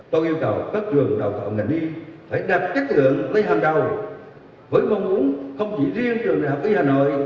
tôi yêu cầu các trường đào tạo ngành y phải đạt chất lượng tới hàng đầu với mong muốn không chỉ riêng trường đào tạo y hà nội